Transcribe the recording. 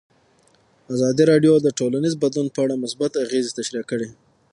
ازادي راډیو د ټولنیز بدلون په اړه مثبت اغېزې تشریح کړي.